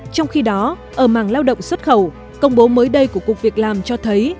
trong khi đó ở mảng lao động xuất khẩu công bố mới đây của cục việc làm cho thấy